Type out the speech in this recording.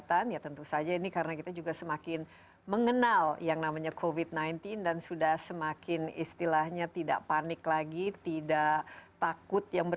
saya sedang mengingatkan